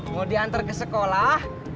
mau diantar ke sekolah